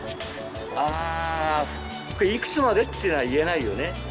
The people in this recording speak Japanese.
あいくつまでっていうのは言えないよね